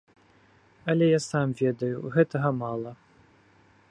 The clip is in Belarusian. Але я сам ведаю, гэтага мала.